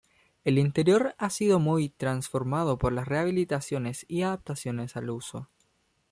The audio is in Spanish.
El interior ha sido muy transformado por las rehabilitaciones y adaptaciones al uso.